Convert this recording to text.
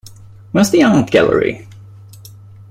Where's the art gallery?